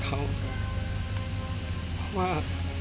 เพราะว่า